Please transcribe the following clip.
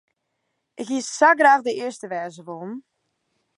Ik hie sa graach de earste wêze wollen.